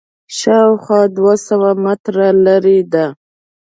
شاوخوا دوه سوه متره لرې ده.